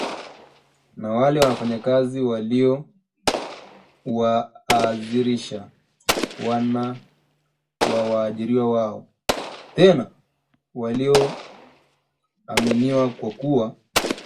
Na wale wafanyakazi waliowaazirisha wana wa waajiriwa wao? Tena walioaminiwa kwa kuwa